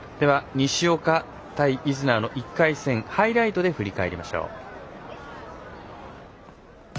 西岡対イズナーの１回戦、ハイライトで振り返りましょう。